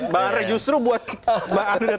bang andre justru buat teman teman artinya gitu